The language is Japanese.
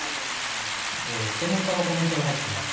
専門家のコメントが入っています。